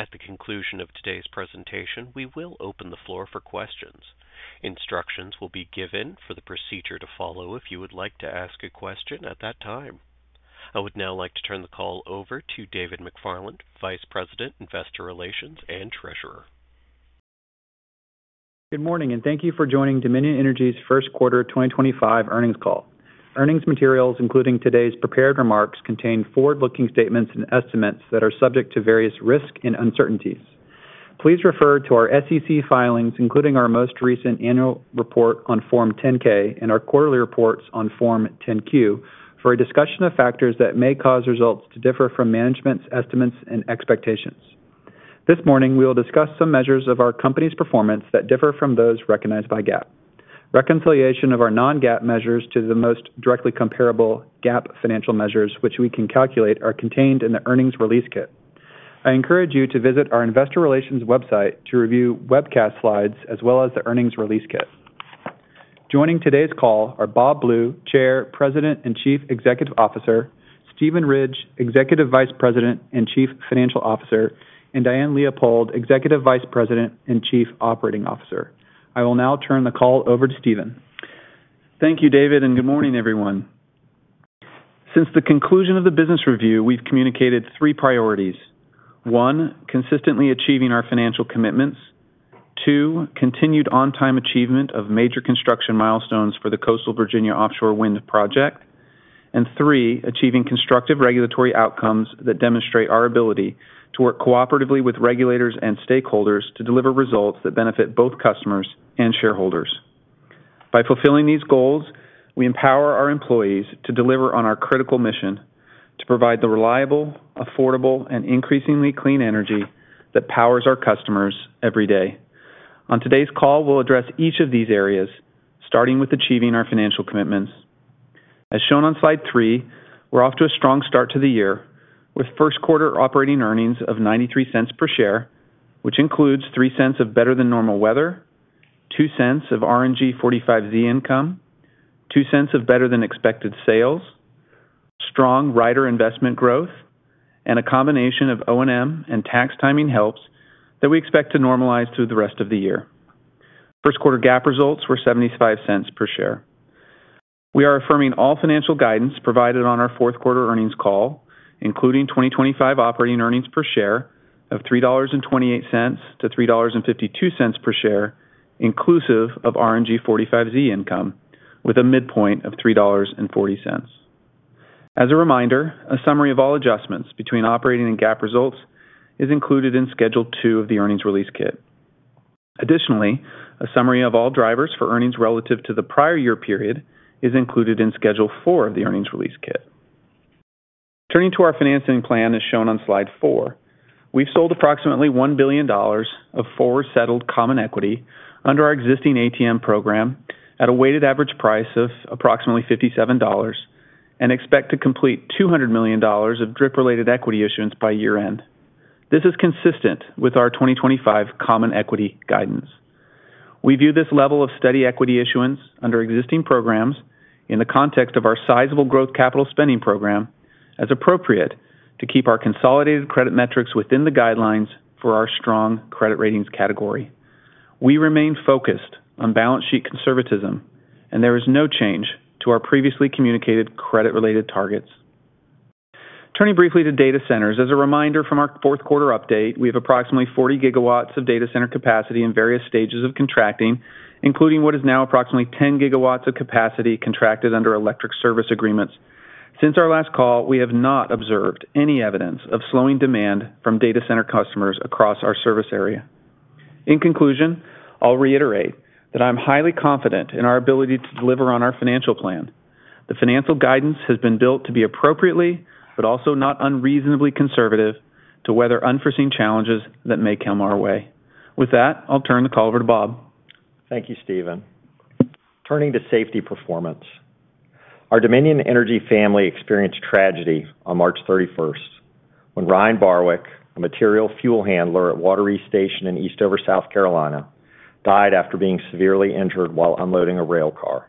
At the conclusion of today's presentation, we will open the floor for questions. Instructions will be given for the procedure to follow if you would like to ask a question at that time. I would now like to turn the call over to David McFarland, Vice President, Investor Relations and Treasurer. Good morning, and thank you for joining Dominion Energy's First Quarter 2025 Earnings Call. Earnings materials, including today's prepared remarks, contain forward-looking statements and estimates that are subject to various risks and uncertainties. Please refer to our SEC filings, including our most recent annual report on Form 10-K and our quarterly reports on Form 10-Q, for a discussion of factors that may cause results to differ from management's estimates and expectations. This morning, we will discuss some measures of our company's performance that differ from those recognized by GAAP. Reconciliation of our non-GAAP measures to the most directly comparable GAAP financial measures, which we can calculate, are contained in the earnings release kit. I encourage you to visit our Investor Relations website to review webcast slides as well as the earnings release kit. Joining today's call are Bob Blue, Chair, President and Chief Executive Officer, Steven Ridge, Executive Vice President and Chief Financial Officer, and Diane Leopold, Executive Vice President and Chief Operating Officer. I will now turn the call over to Steven. Thank you, David, and good morning, everyone. Since the conclusion of the business review, we've communicated three priorities: one, consistently achieving our financial commitments; two, continued on-time achievement of major construction milestones for the Coastal Virginia Offshore Wind Project; and three, achieving constructive regulatory outcomes that demonstrate our ability to work cooperatively with regulators and stakeholders to deliver results that benefit both customers and shareholders. By fulfilling these goals, we empower our employees to deliver on our critical mission to provide the reliable, affordable, and increasingly clean energy that powers our customers every day. On today's call, we'll address each of these areas, starting with achieving our financial commitments. As shown on slide three, we're off to a strong start to the year with first quarter operating earnings of $0.93 per share, which includes $0.03 of better than normal weather, $0.02 of RNG 45Z income, $0.02 of better than expected sales, strong rider investment growth, and a combination of O&M and tax timing helps that we expect to normalize through the rest of the year. First quarter GAAP results were $0.75 per share. We are affirming all financial guidance provided on our fourth quarter earnings call, including 2025 operating earnings per share of $3.28-$3.52 per share, inclusive of RNG 45Z income, with a midpoint of $3.40. As a reminder, a summary of all adjustments between operating and GAAP results is included in Schedule 2 of the earnings release kit. Additionally, a summary of all drivers for earnings relative to the prior year period is included in Schedule 4 of the earnings release kit. Turning to our financing plan, as shown on slide four, we have sold approximately $1 billion of forward-settled common equity under our existing ATM program at a weighted average price of approximately $57 and expect to complete $200 million of DRIP-related equity issuance by year-end. This is consistent with our 2025 common equity guidance. We view this level of steady equity issuance under existing programs in the context of our sizable growth capital spending program as appropriate to keep our consolidated credit metrics within the guidelines for our strong credit ratings category. We remain focused on balance sheet conservatism, and there is no change to our previously communicated credit-related targets. Turning briefly to data centers, as a reminder from our fourth quarter update, we have approximately 40 gigawatts of data center capacity in various stages of contracting, including what is now approximately 10 gigawatts of capacity contracted under electric service agreements. Since our last call, we have not observed any evidence of slowing demand from data center customers across our service area. In conclusion, I'll reiterate that I'm highly confident in our ability to deliver on our financial plan. The financial guidance has been built to be appropriately but also not unreasonably conservative to weather unforeseen challenges that may come our way. With that, I'll turn the call over to Bob. Thank you, Steven. Turning to safety performance, our Dominion Energy family experienced tragedy on March 31 when Ryan Barwick, a material fuel handler at Wateree Station in Eastover, South Carolina, died after being severely injured while unloading a rail car.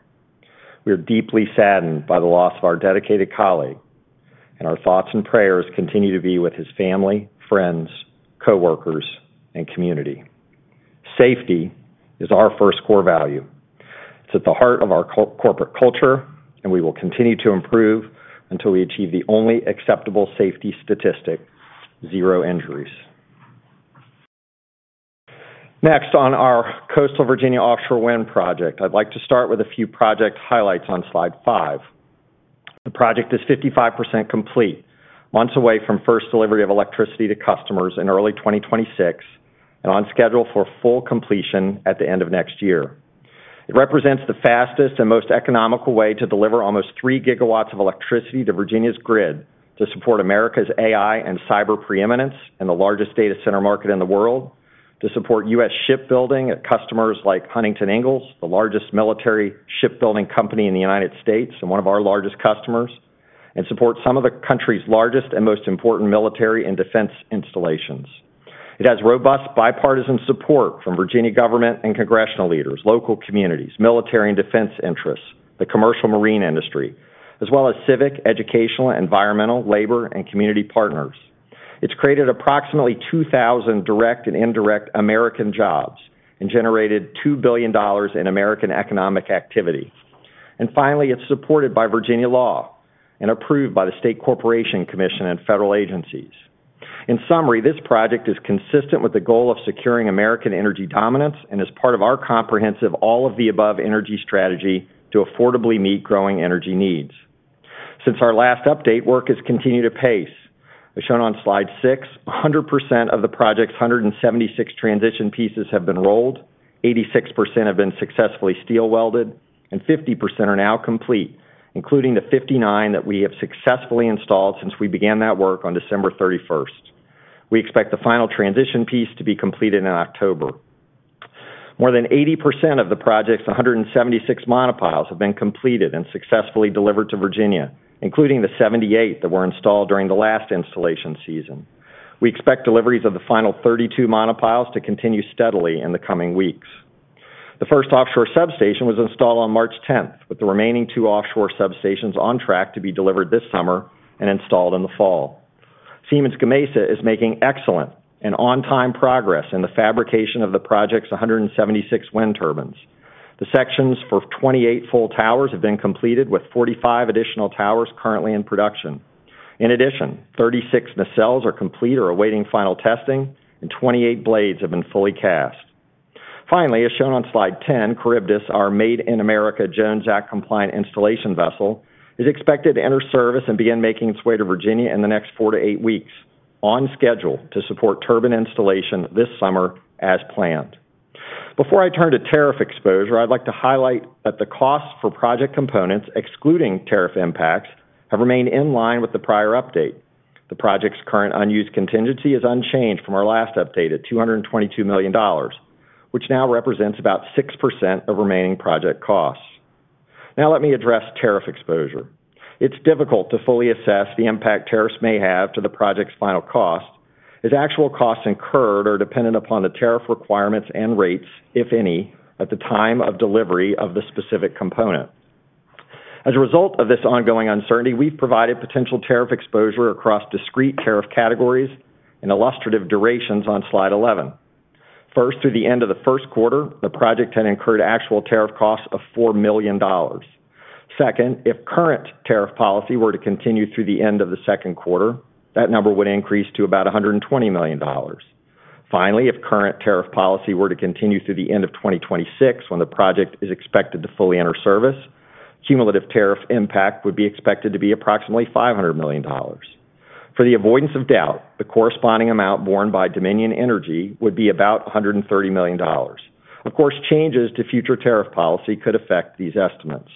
We are deeply saddened by the loss of our dedicated colleague, and our thoughts and prayers continue to be with his family, friends, coworkers, and community. Safety is our first core value. It's at the heart of our corporate culture, and we will continue to improve until we achieve the only acceptable safety statistic, zero injuries. Next, on our Coastal Virginia Offshore Wind Project, I'd like to start with a few project highlights on slide five. The project is 55% complete, months away from first delivery of electricity to customers in early 2026, and on schedule for full completion at the end of next year. It represents the fastest and most economical way to deliver almost 3 gigawatts of electricity to Virginia's grid to support America's AI and cyber preeminence and the largest data center market in the world, to support U.S. shipbuilding at customers like Huntington Ingalls, the largest military shipbuilding company in the United States and one of our largest customers, and support some of the country's largest and most important military and defense installations. It has robust bipartisan support from Virginia government and congressional leaders, local communities, military and defense interests, the commercial marine industry, as well as civic, educational, environmental, labor, and community partners. It's created approximately 2,000 direct and indirect American jobs and generated $2 billion in American economic activity. Finally, it's supported by Virginia law and approved by the State Corporation Commission and federal agencies. In summary, this project is consistent with the goal of securing American energy dominance and is part of our comprehensive all-of-the-above energy strategy to affordably meet growing energy needs. Since our last update, work has continued to pace. As shown on slide six, 100% of the project's 176 transition pieces have been rolled, 86% have been successfully steel welded, and 50% are now complete, including the 59 that we have successfully installed since we began that work on December 31. We expect the final transition piece to be completed in October. More than 80% of the project's 176 monopiles have been completed and successfully delivered to Virginia, including the 78 that were installed during the last installation season. We expect deliveries of the final 32 monopiles to continue steadily in the coming weeks. The first offshore substation was installed on March 10, with the remaining two offshore substations on track to be delivered this summer and installed in the fall. Siemens Gamesa is making excellent and on-time progress in the fabrication of the project's 176 wind turbines. The sections for 28 full towers have been completed, with 45 additional towers currently in production. In addition, 36 nacelles are complete or awaiting final testing, and 28 blades have been fully cast. Finally, as shown on slide 10, Charybdis, our Made in America Jones Act-compliant installation vessel, is expected to enter service and begin making its way to Virginia in the next four to eight weeks on schedule to support turbine installation this summer as planned. Before I turn to tariff exposure, I'd like to highlight that the costs for project components, excluding tariff impacts, have remained in line with the prior update. The project's current unused contingency is unchanged from our last update at $222 million, which now represents about 6% of remaining project costs. Now, let me address tariff exposure. It's difficult to fully assess the impact tariffs may have to the project's final cost as actual costs incurred are dependent upon the tariff requirements and rates, if any, at the time of delivery of the specific component. As a result of this ongoing uncertainty, we've provided potential tariff exposure across discrete tariff categories and illustrative durations on slide 11. First, through the end of the first quarter, the project had incurred actual tariff costs of $4 million. Second, if current tariff policy were to continue through the end of the second quarter, that number would increase to about $120 million. Finally, if current tariff policy were to continue through the end of 2026 when the project is expected to fully enter service, cumulative tariff impact would be expected to be approximately $500 million. For the avoidance of doubt, the corresponding amount borne by Dominion Energy would be about $130 million. Of course, changes to future tariff policy could affect these estimates.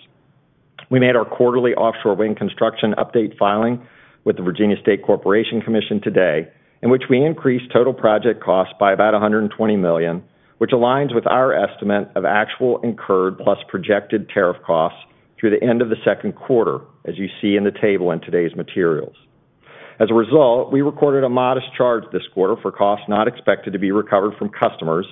We made our quarterly offshore wind construction update filing with the Virginia State Corporation Commission today, in which we increased total project costs by about $120 million, which aligns with our estimate of actual incurred plus projected tariff costs through the end of the second quarter, as you see in the table in today's materials. As a result, we recorded a modest charge this quarter for costs not expected to be recovered from customers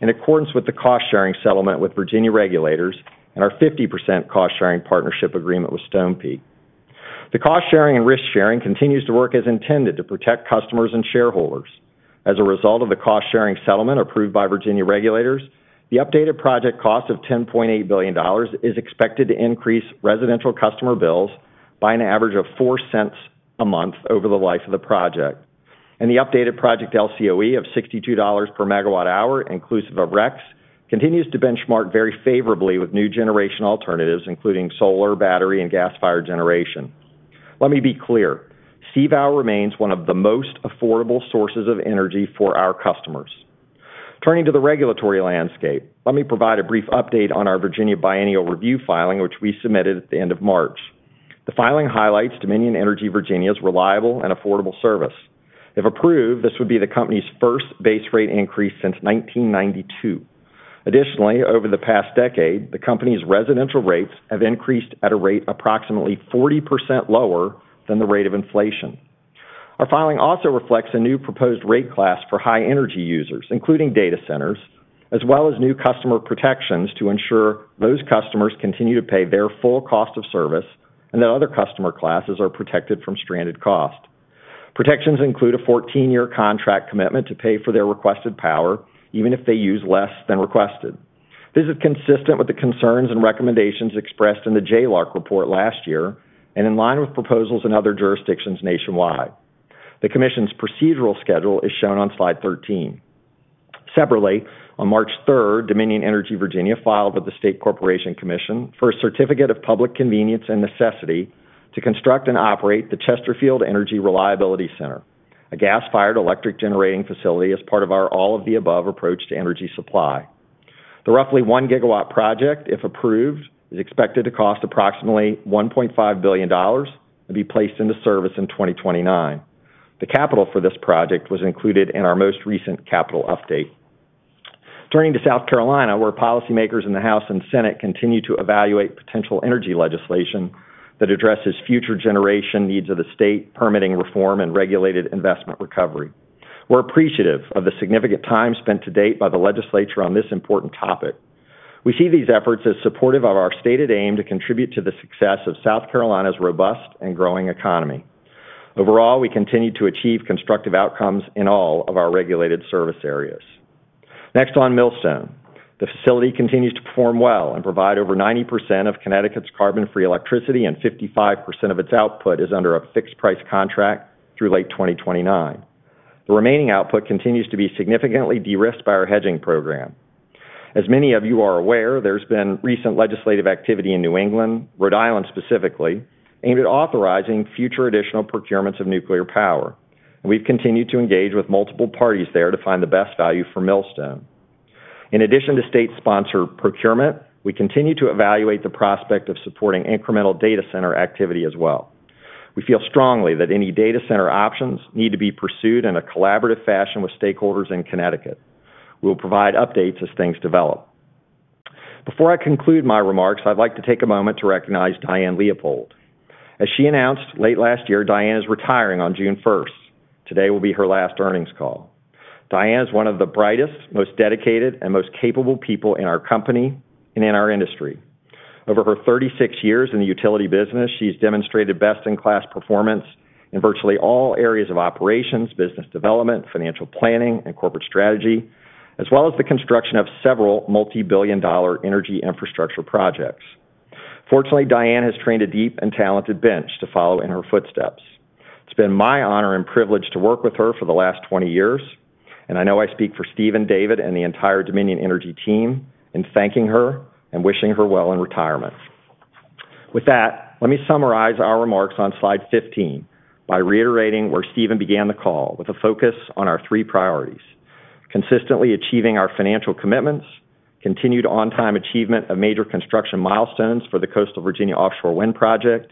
in accordance with the cost-sharing settlement with Virginia regulators and our 50% cost-sharing partnership agreement with Stonepeak. The cost-sharing and risk-sharing continues to work as intended to protect customers and shareholders. As a result of the cost-sharing settlement approved by Virginia regulators, the updated project cost of $10.8 billion is expected to increase residential customer bills by an average of $0.04 cents a month over the life of the project. The updated project LCOE of $62 per megawatt hour, inclusive of RECs, continues to benchmark very favorably with new generation alternatives, including solar, battery, and gas-fired generation. Let me be clear. CVOW remains one of the most affordable sources of energy for our customers. Turning to the regulatory landscape, let me provide a brief update on our Virginia biennial review filing, which we submitted at the end of March. The filing highlights Dominion Energy Virginia's reliable and affordable service. If approved, this would be the company's first base rate increase since 1992. Additionally, over the past decade, the company's residential rates have increased at a rate approximately 40% lower than the rate of inflation. Our filing also reflects a new proposed rate class for high energy users, including data centers, as well as new customer protections to ensure those customers continue to pay their full cost of service and that other customer classes are protected from stranded cost. Protections include a 14-year contract commitment to pay for their requested power even if they use less than requested. This is consistent with the concerns and recommendations expressed in the JLARC report last year and in line with proposals in other jurisdictions nationwide. The commission's procedural schedule is shown on slide 13. Separately, on March 3, Dominion Energy Virginia filed with the State Corporation Commission for a certificate of public convenience and necessity to construct and operate the Chesterfield Energy Reliability Center, a gas-fired electric generating facility as part of our all-of-the-above approach to energy supply. The roughly 1 gigawatt project, if approved, is expected to cost approximately $1.5 billion and be placed into service in 2029. The capital for this project was included in our most recent capital update. Turning to South Carolina, where policymakers in the House and Senate continue to evaluate potential energy legislation that addresses future generation needs of the state, permitting reform and regulated investment recovery. We're appreciative of the significant time spent to date by the legislature on this important topic. We see these efforts as supportive of our stated aim to contribute to the success of South Carolina's robust and growing economy. Overall, we continue to achieve constructive outcomes in all of our regulated service areas. Next on Millstone, the facility continues to perform well and provide over 90% of Connecticut's carbon-free electricity and 55% of its output is under a fixed-price contract through late 2029. The remaining output continues to be significantly de-risked by our hedging program. As many of you are aware, there's been recent legislative activity in New England, Rhode Island specifically, aimed at authorizing future additional procurements of nuclear power. We've continued to engage with multiple parties there to find the best value for Millstone. In addition to state-sponsored procurement, we continue to evaluate the prospect of supporting incremental data center activity as well. We feel strongly that any data center options need to be pursued in a collaborative fashion with stakeholders in Connecticut. We will provide updates as things develop. Before I conclude my remarks, I'd like to take a moment to recognize Diane Leopold. As she announced late last year, Diane is retiring on June 1. Today will be her last earnings call. Diane is one of the brightest, most dedicated, and most capable people in our company and in our industry. Over her 36 years in the utility business, she has demonstrated best-in-class performance in virtually all areas of operations, business development, financial planning, and corporate strategy, as well as the construction of several multi-billion dollar energy infrastructure projects. Fortunately, Diane has trained a deep and talented bench to follow in her footsteps. It's been my honor and privilege to work with her for the last 20 years, and I know I speak for Steven, David, and the entire Dominion Energy team in thanking her and wishing her well in retirement. With that, let me summarize our remarks on slide 15 by reiterating where Steven began the call with a focus on our three priorities: consistently achieving our financial commitments, continued on-time achievement of major construction milestones for the Coastal Virginia Offshore Wind Project,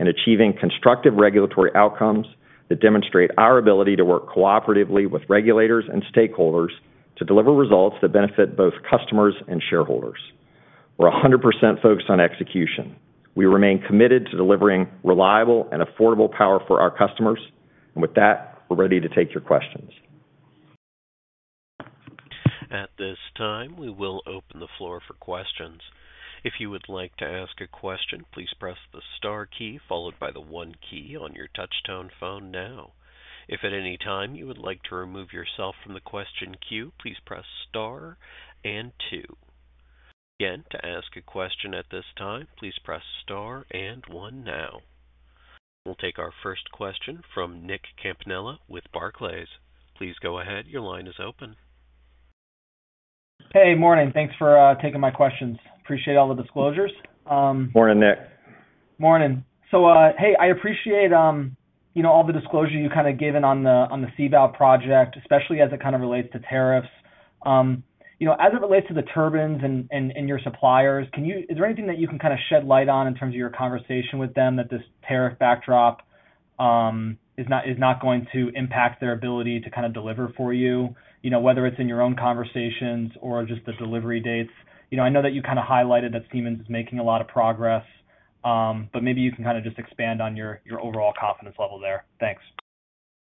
and achieving constructive regulatory outcomes that demonstrate our ability to work cooperatively with regulators and stakeholders to deliver results that benefit both customers and shareholders. We are 100% focused on execution. We remain committed to delivering reliable and affordable power for our customers. With that, we are ready to take your questions. At this time, we will open the floor for questions. If you would like to ask a question, please press the star key followed by the one key on your touchtone phone now. If at any time you would like to remove yourself from the question queue, please press star and two. Again, to ask a question at this time, please press star and one now. We'll take our first question from Nick Campanella with Barclays. Please go ahead. Your line is open. Hey, morning. Thanks for taking my questions. Appreciate all the disclosures. Morning, Nick. Morning. Hey, I appreciate all the disclosure you kind of given on the CVOW project, especially as it kind of relates to tariffs. As it relates to the turbines and your suppliers, is there anything that you can kind of shed light on in terms of your conversation with them that this tariff backdrop is not going to impact their ability to kind of deliver for you, whether it's in your own conversations or just the delivery dates? I know that you kind of highlighted that Siemens is making a lot of progress, but maybe you can kind of just expand on your overall confidence level there. Thanks.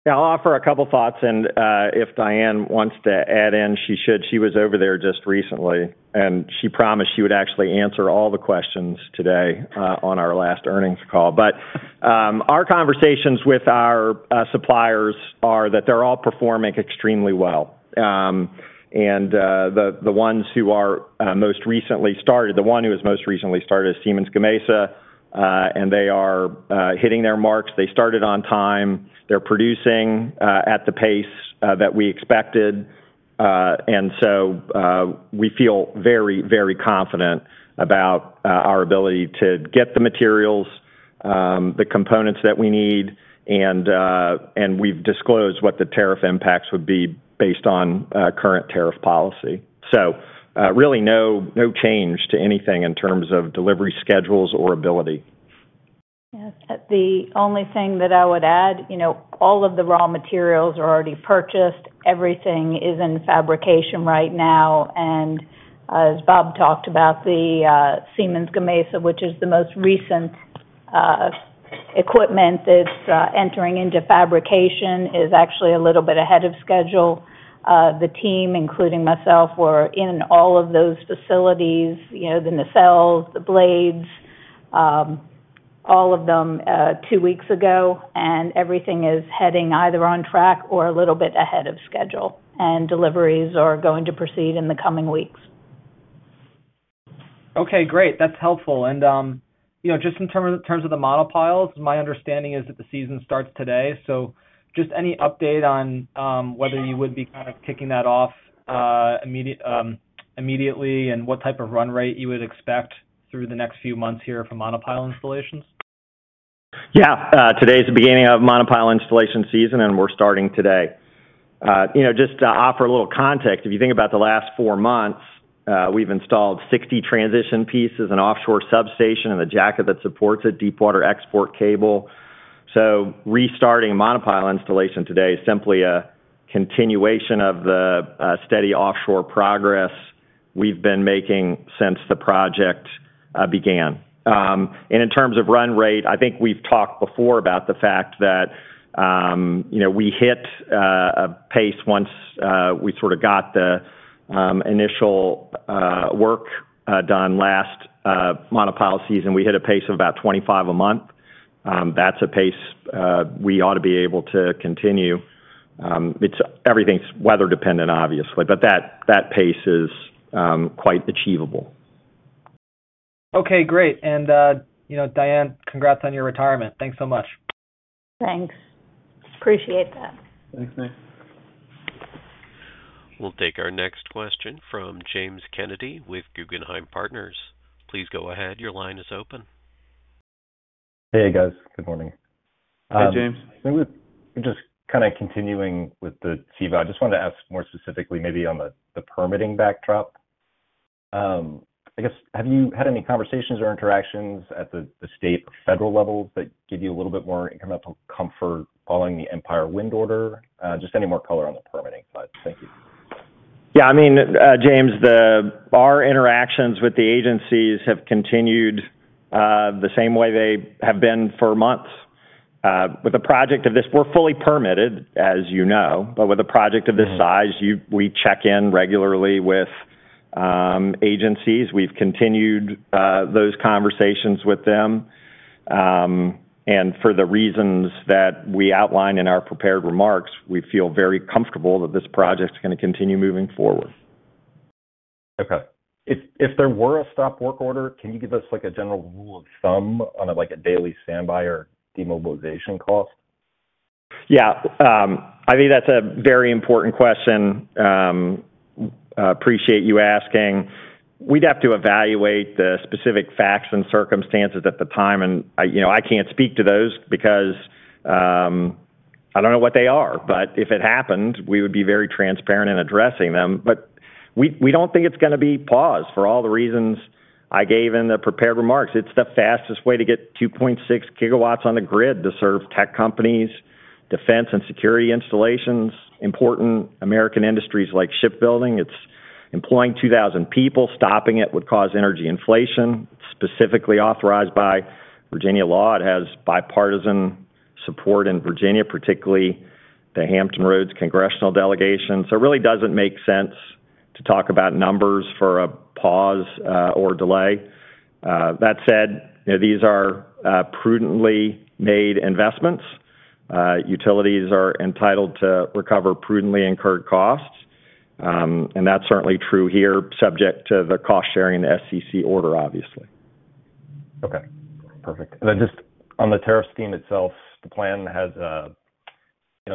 Yeah, I'll offer a couple of thoughts. If Diane wants to add in, she should. She was over there just recently, and she promised she would actually answer all the questions today on our last earnings call. Our conversations with our suppliers are that they're all performing extremely well. The ones who are most recently started, the one who has most recently started is Siemens Gamesa, and they are hitting their marks. They started on time. They are producing at the pace that we expected. We feel very, very confident about our ability to get the materials, the components that we need. We have disclosed what the tariff impacts would be based on current tariff policy. There is really no change to anything in terms of delivery schedules or ability. The only thing that I would add, all of the raw materials are already purchased. Everything is in fabrication right now. As Bob talked about, the Siemens Gamesa, which is the most recent equipment that is entering into fabrication, is actually a little bit ahead of schedule. The team, including myself, were in all of those facilities, the nacelles, the blades, all of them two weeks ago. Everything is heading either on track or a little bit ahead of schedule. Deliveries are going to proceed in the coming weeks. Okay, great. That is helpful. Just in terms of the monopiles, my understanding is that the season starts today. Just any update on whether you would be kind of kicking that off immediately and what type of run rate you would expect through the next few months here for monopile installations? Yes. Today is the beginning of monopile installation season, and we are starting today. Just to offer a little context, if you think about the last four months, we have installed 60 transition pieces, an offshore substation, and the jacket that supports it, deep water export cable. Restarting monopile installation today is simply a continuation of the steady offshore progress we have been making since the project began. In terms of run rate, I think we've talked before about the fact that we hit a pace once we sort of got the initial work done last monopile season. We hit a pace of about 25 a month. That's a pace we ought to be able to continue. Everything's weather-dependent, obviously, but that pace is quite achievable. Okay, great. And Diane, congrats on your retirement. Thanks so much. Thanks. Appreciate that. Thanks, Nick. We'll take our next question from James Kennedy with Guggenheim Partners. Please go ahead. Your line is open. Hey, guys. Good morning. Hey, James. Just kind of continuing with the CVOW, I just wanted to ask more specifically maybe on the permitting backdrop. I guess, have you had any conversations or interactions at the state or federal levels that give you a little bit more incremental comfort following the Empire Wind order? Just any more color on the permitting side. Thank you. Yeah. I mean, James, our interactions with the agencies have continued the same way they have been for months. With a project of this, we're fully permitted, as you know. But with a project of this size, we check in regularly with agencies. We've continued those conversations with them. For the reasons that we outline in our prepared remarks, we feel very comfortable that this project is going to continue moving forward. Okay. If there were a stop work order, can you give us a general rule of thumb on a daily standby or demobilization cost? Yeah. I think that's a very important question. Appreciate you asking. We'd have to evaluate the specific facts and circumstances at the time. I can't speak to those because I don't know what they are. If it happened, we would be very transparent in addressing them. We do not think it is going to be paused for all the reasons I gave in the prepared remarks. It is the fastest way to get 2.6 gigawatts on the grid to serve tech companies, defense, and security installations, important American industries like shipbuilding. It is employing 2,000 people. Stopping it would cause energy inflation. It is specifically authorized by Virginia law. It has bipartisan support in Virginia, particularly the Hampton Roads congressional delegation. It really does not make sense to talk about numbers for a pause or delay. That said, these are prudently made investments. Utilities are entitled to recover prudently incurred costs. That is certainly true here, subject to the cost-sharing and the SEC order, obviously. Okay. Perfect. Then just on the tariff scheme itself, the plan has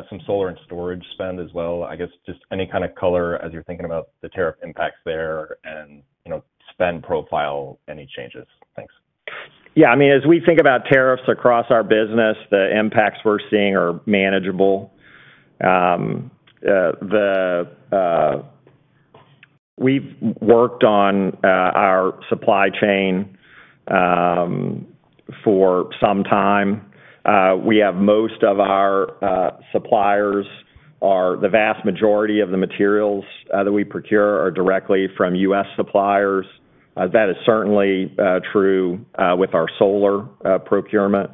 some solar and storage spend as well. I guess just any kind of color as you're thinking about the tariff impacts there and spend profile, any changes. Thanks. Yeah. I mean, as we think about tariffs across our business, the impacts we're seeing are manageable. We've worked on our supply chain for some time. We have most of our suppliers or the vast majority of the materials that we procure are directly from U.S. suppliers. That is certainly true with our solar procurement.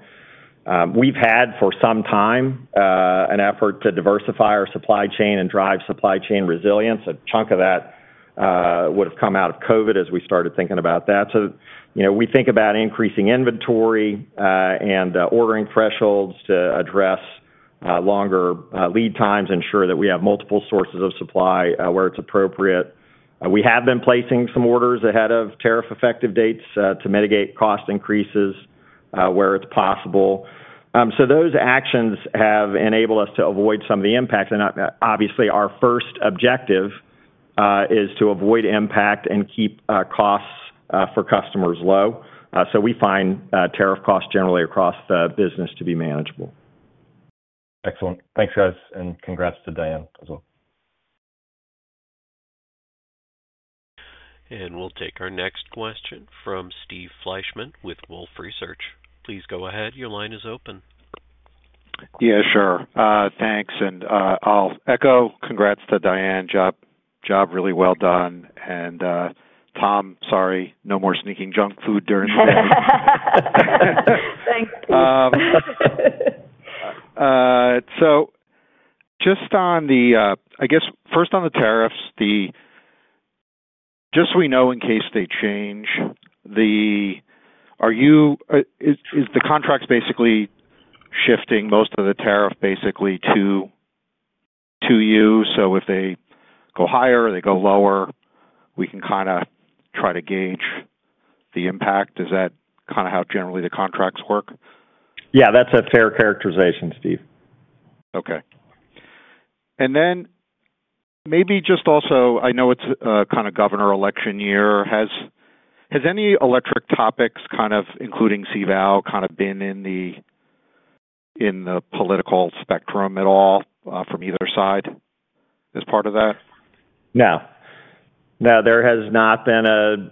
We've had for some time an effort to diversify our supply chain and drive supply chain resilience. A chunk of that would have come out of COVID as we started thinking about that. We think about increasing inventory and ordering thresholds to address longer lead times, ensure that we have multiple sources of supply where it's appropriate. We have been placing some orders ahead of tariff-effective dates to mitigate cost increases where it's possible. Those actions have enabled us to avoid some of the impacts. Obviously, our first objective is to avoid impact and keep costs for customers low. We find tariff costs generally across the business to be manageable. Excellent. Thanks, guys. Congrats to Diane as well. We'll take our next question from Steve Fleishman with Wolfe Research. Please go ahead. Your line is open. Yeah, sure. Thanks. I'll echo, congrats to Diane. Job really well done. Tom, sorry. No more sneaking junk food during the day. Thanks, Steve. Just on the, I guess, first on the tariffs, just so we know in case they change, are you, is the contracts basically shifting most of the tariff basically to you? If they go higher or they go lower, we can kind of try to gauge the impact. Is that kind of how generally the contracts work? Yeah, that's a fair characterization, Steve. Okay. Maybe just also, I know it's kind of governor election year. Has any electric topics, kind of including CVOW, kind of been in the political spectrum at all from either side as part of that? No. No, there has not been in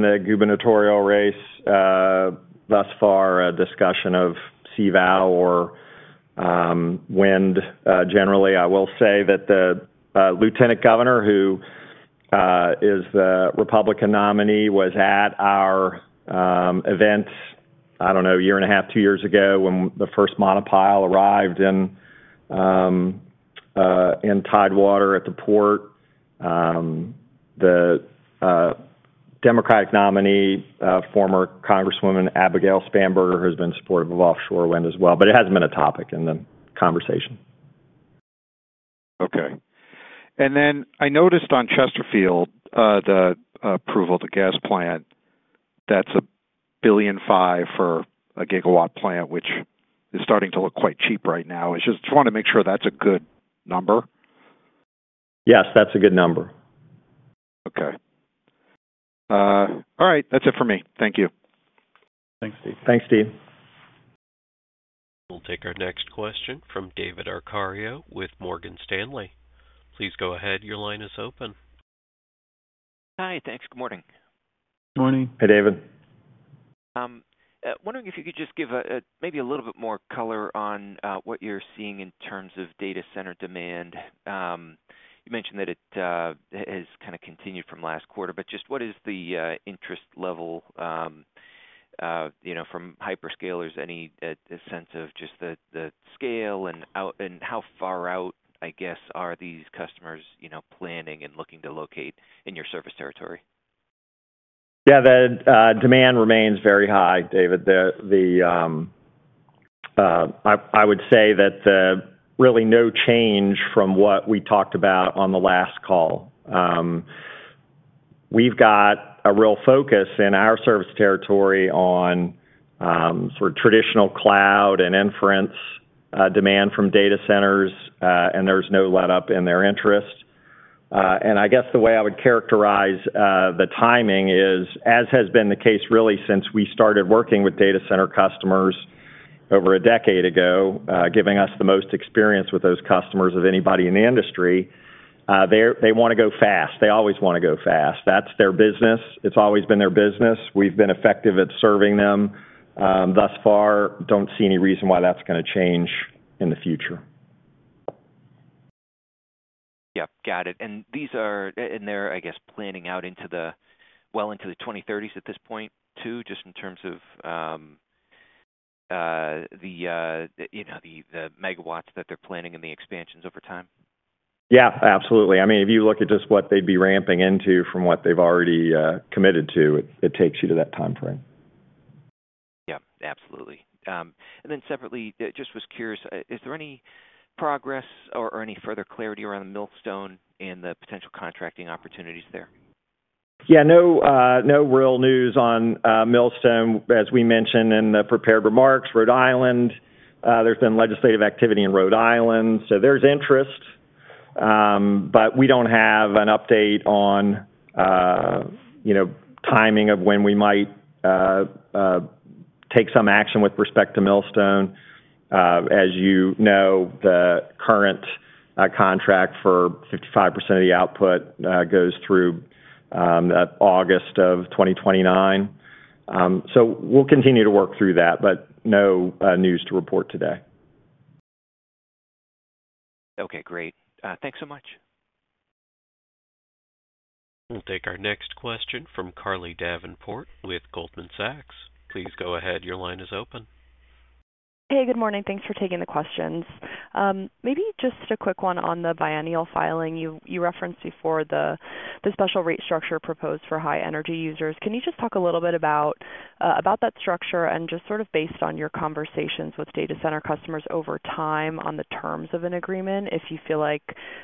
the gubernatorial race thus far a discussion of CVOW or wind generally. I will say that the lieutenant governor, who is the Republican nominee, was at our event, I don't know, a year and a half, two years ago when the first monopile arrived in Tidewater at the port. The Democratic nominee, former Congresswoman Abigail Spanberger, who has been supportive of offshore wind as well. But it hasn't been a topic in the conversation. Okay. I noticed on Chesterfield, the approval of the gas plant, that's $1.5 billion for a gigawatt plant, which is starting to look quite cheap right now. I just want to make sure that's a good number. Yes, that's a good number. Okay. All right. That's it for me. Thank you. Thanks, Steve. Thanks, Steve. We'll take our next question from David Arcaro with Morgan Stanley. Please go ahead. Your line is open. Hi. Thanks. Good morning. Good morning. Hey, David. Wondering if you could just give maybe a little bit more color on what you're seeing in terms of data center demand. You mentioned that it has kind of continued from last quarter. Just what is the interest level from hyperscalers? Any sense of just the scale and how far out, I guess, are these customers planning and looking to locate in your service territory? Yeah, the demand remains very high, David. I would say that really no change from what we talked about on the last call. We've got a real focus in our service territory on sort of traditional cloud and inference demand from data centers, and there's no letup in their interest. I guess the way I would characterize the timing is, as has been the case really since we started working with data center customers over a decade ago, giving us the most experience with those customers of anybody in the industry, they want to go fast. They always want to go fast. That's their business. It's always been their business. We've been effective at serving them. Thus far, don't see any reason why that's going to change in the future. Yep. Got it. And these are in their, I guess, planning out well into the 2030s at this point too, just in terms of the megawatts that they're planning and the expansions over time? Yeah, absolutely. I mean, if you look at just what they'd be ramping into from what they've already committed to, it takes you to that time frame. Yep. Absolutely. Then separately, just was curious, is there any progress or any further clarity around the Millstone and the potential contracting opportunities there? Yeah, no real news on Millstone, as we mentioned in the prepared remarks. Rhode Island, there's been legislative activity in Rhode Island. There is interest. We don't have an update on timing of when we might take some action with respect to Millstone. As you know, the current contract for 55% of the output goes through August of 2029. We'll continue to work through that, but no news to report today. Okay, great. Thanks so much. We'll take our next question from Carly Davenport with Goldman Sachs. Please go ahead. Your line is open. Hey, good morning. Thanks for taking the questions. Maybe just a quick one on the biennial filing you referenced before, the special rate structure proposed for high energy users. Can you just talk a little bit about that structure and just sort of based on your conversations with data center customers over time on the terms of an agreement, if you feel like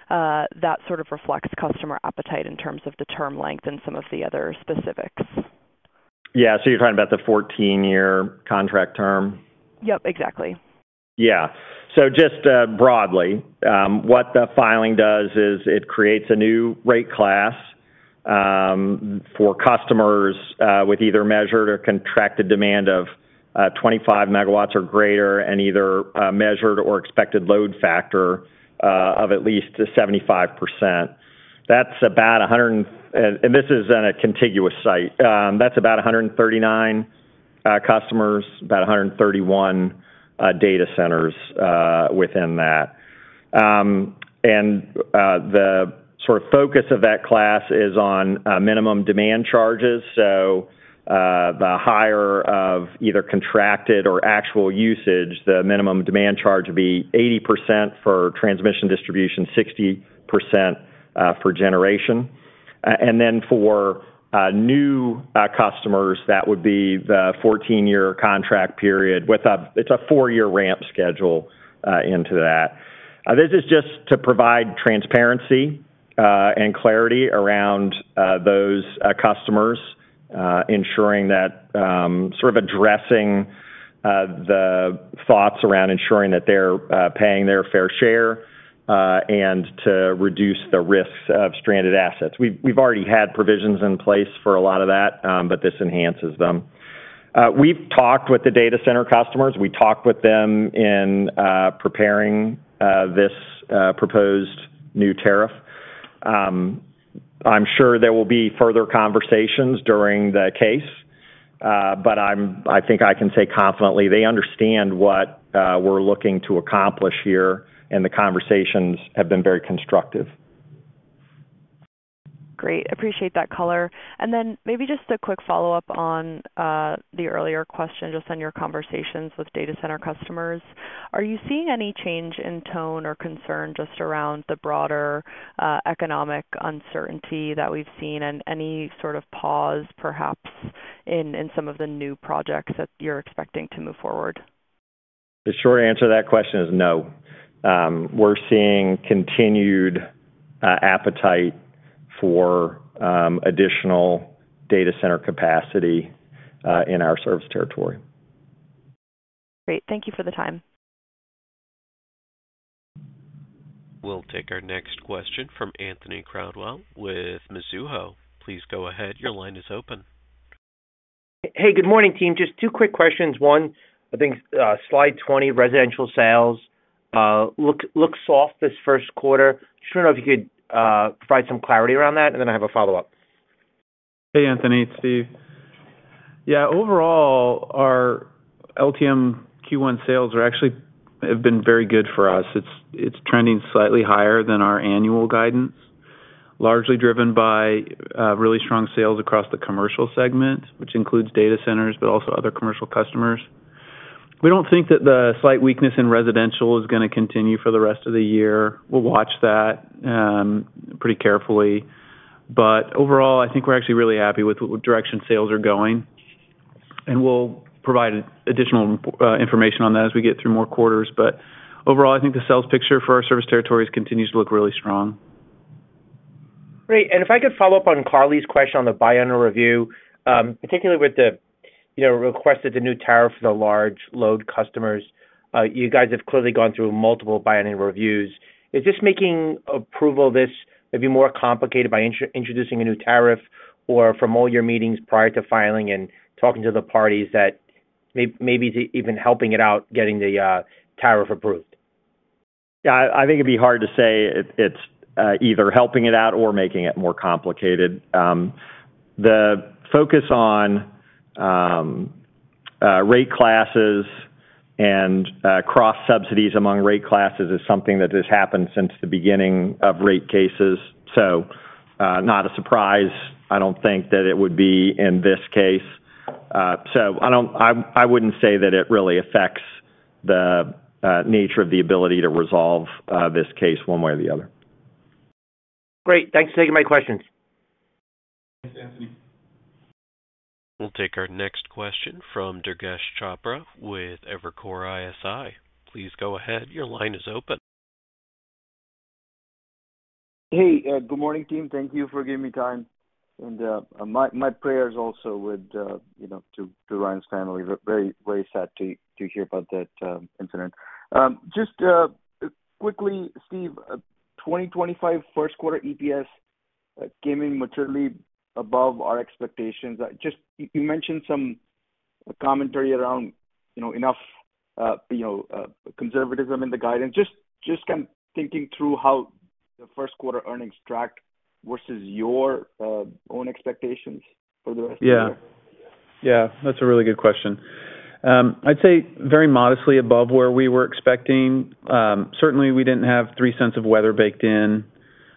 that sort of reflects customer appetite in terms of the term length and some of the other specifics? Yeah. You're talking about the 14-year contract term? Yep, exactly. Yeah. Broadly, what the filing does is it creates a new rate class for customers with either measured or contracted demand of 25 megawatts or greater and either measured or expected load factor of at least 75%. That is about 139 customers, about 131 data centers within that. The focus of that class is on minimum demand charges. The higher of either contracted or actual usage, the minimum demand charge would be 80% for transmission distribution, 60% for generation. For new customers, that would be the 14-year contract period. It is a four-year ramp schedule into that. This is just to provide transparency and clarity around those customers, ensuring that addressing the thoughts around ensuring that they are paying their fair share and to reduce the risks of stranded assets. We've already had provisions in place for a lot of that, but this enhances them. We've talked with the data center customers. We talked with them in preparing this proposed new tariff. I'm sure there will be further conversations during the case. I think I can say confidently they understand what we're looking to accomplish here, and the conversations have been very constructive. Great. Appreciate that color. Maybe just a quick follow-up on the earlier question just on your conversations with data center customers. Are you seeing any change in tone or concern just around the broader economic uncertainty that we've seen and any sort of pause, perhaps, in some of the new projects that you're expecting to move forward? The short answer to that question is no. We're seeing continued appetite for additional data center capacity in our service territory. Great. Thank you for the time. We'll take our next question from Anthony Crowdell with Mizuho. Please go ahead. Your line is open. Hey, good morning, team. Just two quick questions. One, I think slide 20, residential sales, look soft this first quarter. Just want to know if you could provide some clarity around that, and then I have a follow-up. Hey, Anthony. It's Steve. Yeah, overall, our LTM Q1 sales have been very good for us. It's trending slightly higher than our annual guidance, largely driven by really strong sales across the commercial segment, which includes data centers, but also other commercial customers. We don't think that the slight weakness in residential is going to continue for the rest of the year. We'll watch that pretty carefully. Overall, I think we're actually really happy with the direction sales are going. We'll provide additional information on that as we get through more quarters. Overall, I think the sales picture for our service territories continues to look really strong. Great. If I could follow up on Carly's question on the biennial review, particularly with the request of the new tariff for the large load customers, you guys have clearly gone through multiple biennial reviews. Is this making approval this maybe more complicated by introducing a new tariff or from all your meetings prior to filing and talking to the parties that maybe even helping it out, getting the tariff approved? I think it'd be hard to say it's either helping it out or making it more complicated. The focus on rate classes and cross-subsidies among rate classes is something that has happened since the beginning of rate cases. Not a surprise, I don't think, that it would be in this case. I would not say that it really affects the nature of the ability to resolve this case one way or the other. Great. Thanks for taking my questions. Thanks, Anthony. We will take our next question from Durgesh Chopra with Evercore ISI. Please go ahead. Your line is open. Hey, good morning, team. Thank you for giving me time. And my prayers also to Ryan's family. Very sad to hear about that incident. Just quickly, Steve, 2025 first quarter EPS came in materially above our expectations. You mentioned some commentary around enough conservatism in the guidance. Just kind of thinking through how the first quarter earnings tracked versus your own expectations for the rest of the year. Yeah. Yeah. That is a really good question. I would say very modestly above where we were expecting. Certainly, we did not have $0.03 of weather baked in.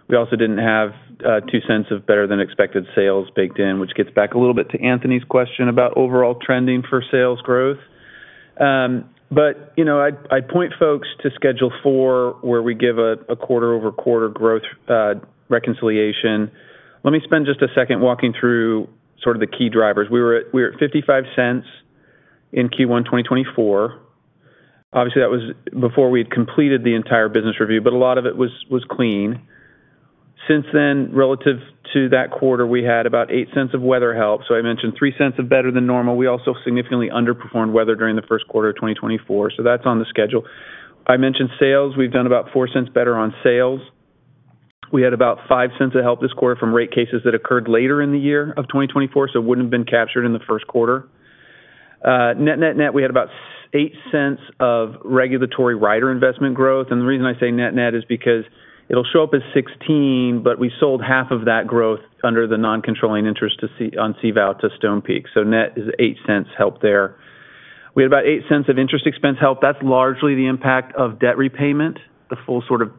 We also did not have $0.02 of better-than-expected sales baked in, which gets back a little bit to Anthony's question about overall trending for sales growth. I would point folks to schedule four where we give a quarter-over-quarter growth reconciliation. Let me spend just a second walking through sort of the key drivers. We were at $0.55 in Q1 2024. Obviously, that was before we had completed the entire business review, but a lot of it was clean. Since then, relative to that quarter, we had about $0.08 of weather help. I mentioned $0.03 of better than normal. We also significantly underperformed weather during the first quarter of 2024. That is on the schedule. I mentioned sales. We have done about $0.04 better on sales. We had about $0.05 of help this quarter from rate cases that occurred later in the year of 2024, so it would not have been captured in the first quarter. Net-net, we had about $0.08 of regulatory rider investment growth. The reason I say net-net is because it will show up as $0.16, but we sold half of that growth under the non-controlling interest on CVOW to Stone Peak. Net is $0.08 help there. We had about $0.08 of interest expense help. That is largely the impact of debt repayment, the full sort of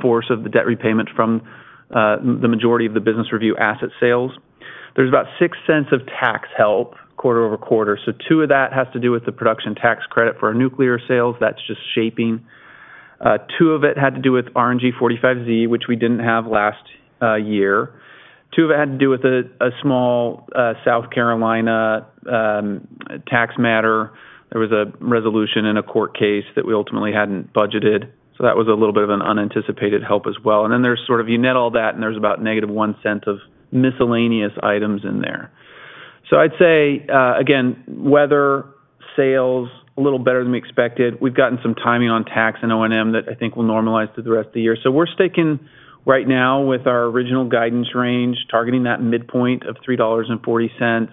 force of the debt repayment from the majority of the business review asset sales. There is about $0.06 of tax help quarter over quarter. Two of that has to do with the production tax credit for our nuclear sales. That is just shaping. Two of it had to do with RNG 45Z, which we didn't have last year. Two of it had to do with a small South Carolina tax matter. There was a resolution in a court case that we ultimately hadn't budgeted. That was a little bit of an unanticipated help as well. You net all that, and there's about negative 1 cent of miscellaneous items in there. I'd say, again, weather sales, a little better than we expected. We've gotten some timing on tax and O&M that I think will normalize through the rest of the year. We're staking right now with our original guidance range, targeting that midpoint of $3.40.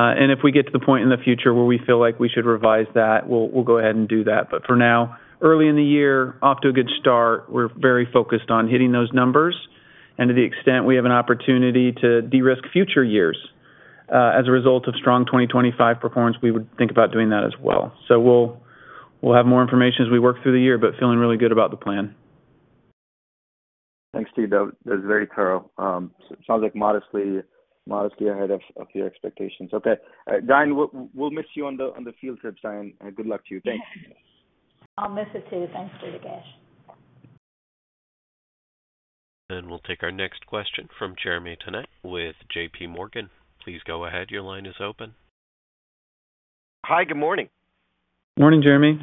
If we get to the point in the future where we feel like we should revise that, we'll go ahead and do that. For now, early in the year, off to a good start, we're very focused on hitting those numbers. To the extent we have an opportunity to de-risk future years as a result of strong 2025 performance, we would think about doing that as well. We'll have more information as we work through the year, but feeling really good about the plan. Thanks, Steve. That was very thorough. Sounds like modestly ahead of your expectations. All right. Diane, we'll miss you on the field trip, Diane. Good luck to you. Thanks. I'll miss it too. Thanks for the gas. We'll take our next question from Jeremy Tonet with JPMorgan. Please go ahead. Your line is open. Hi. Good morning. Morning, Jeremy.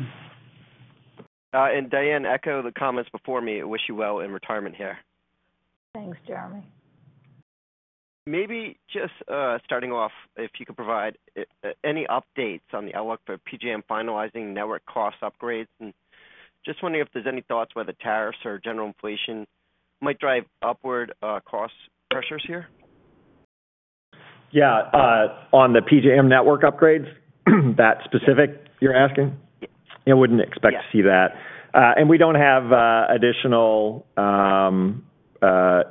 And Diane, echo the comments before me. Wish you well in retirement here. Thanks, Jeremy. Maybe just starting off, if you could provide any updates on the outlook for PJM finalizing network cost upgrades. Just wondering if there's any thoughts whether tariffs or general inflation might drive upward cost pressures here. Yeah. On the PJM network upgrades, that specific you're asking? Yeah. I wouldn't expect to see that. We don't have additional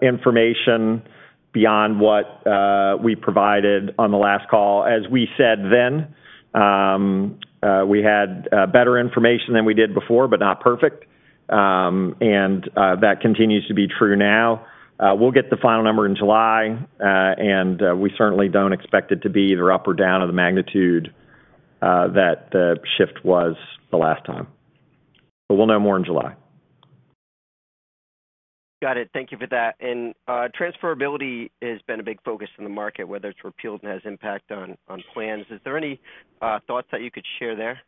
information beyond what we provided on the last call. As we said then, we had better information than we did before, but not perfect. That continues to be true now. We'll get the final number in July, and we certainly don't expect it to be either up or down in the magnitude that the shift was the last time. We'll know more in July. Got it. Thank you for that. Transferability has been a big focus in the market, whether it's repealed and has impact on plans. Is there any thoughts that you could share there?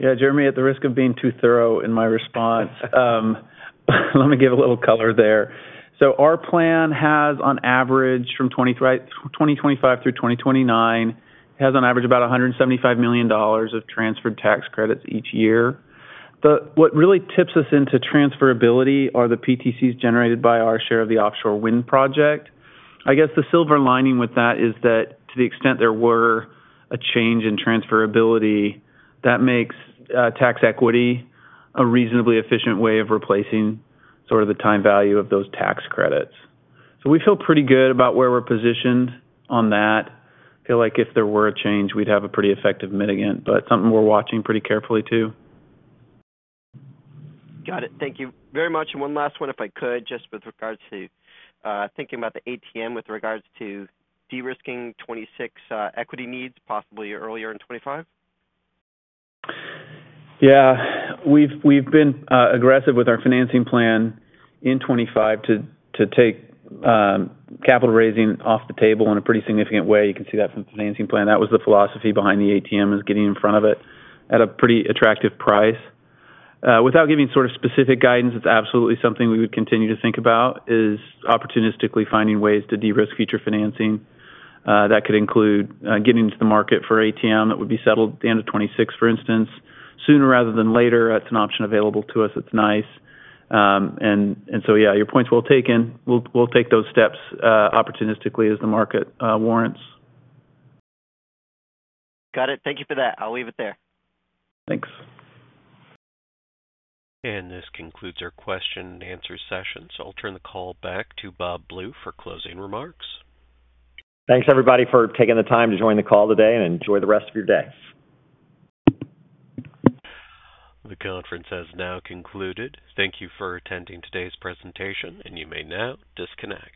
Yeah. Jeremy, at the risk of being too thorough in my response, let me give a little color there. Our plan has, on average, from 2025 through 2029, on average about $175 million of transferred tax credits each year. What really tips us into transferability are the PTCs generated by our share of the offshore wind project. I guess the silver lining with that is that to the extent there were a change in transferability, that makes tax equity a reasonably efficient way of replacing sort of the time value of those tax credits. We feel pretty good about where we're positioned on that. I feel like if there were a change, we'd have a pretty effective mitigant, but something we're watching pretty carefully too. Got it. Thank you very much. One last one, if I could, just with regards to thinking about the ATM with regards to de-risking 2026 equity needs possibly earlier in 2025. Yeah. We've been aggressive with our financing plan in 2025 to take capital raising off the table in a pretty significant way. You can see that from the financing plan. That was the philosophy behind the ATM, is getting in front of it at a pretty attractive price. Without giving sort of specific guidance, it's absolutely something we would continue to think about, is opportunistically finding ways to de-risk future financing. That could include getting into the market for ATM that would be settled at the end of 2026, for instance. Sooner rather than later, that's an option available to us. It's nice. Yeah, your point's well taken. We'll take those steps opportunistically as the market warrants. Got it. Thank you for that. I'll leave it there. Thanks. This concludes our question-and-answer session. I will turn the call back to Bob Blue for closing remarks. Thanks, everybody, for taking the time to join the call today and enjoy the rest of your day. The conference has now concluded. Thank you for attending today's presentation, and you may now disconnect.